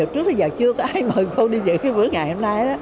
trước giờ chưa có ai mời cô đi giữ bữa ngày hôm nay